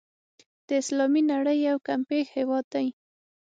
د اسلامي نړۍ یو کمپېښ هېواد دی.